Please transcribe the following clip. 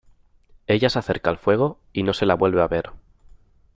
Ella se acerca al fuego y no se la vuelve a ver.